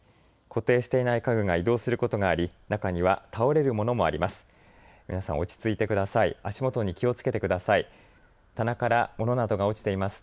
固定していない家具が移動することがあり中には倒れるものもあります。